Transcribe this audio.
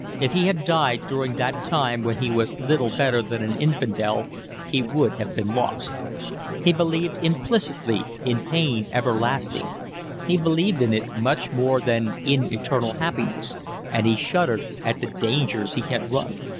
If he had died during that time when he was little better than an infidel he would have been lost; he believed implicitly in pain everlasting, he believed in it much more than in eternal happiness; and he shuddered at the dangers he had run.